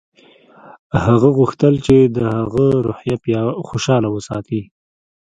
هغه غوښتل چې د هغه روحیه خوشحاله وساتي